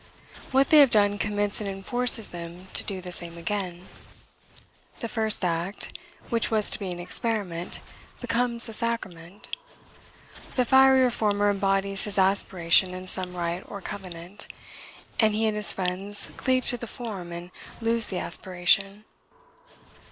What they have done commits and enforces them to do the same again. The first act, which was to be an experiment, becomes a sacrament. The fiery reformer embodies his aspiration in some rite or covenant, and he and his friends cleave to the form and lose the aspiration.